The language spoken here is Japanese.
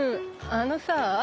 あのさあ